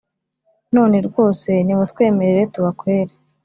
none rwose nimutwemerere tubakwere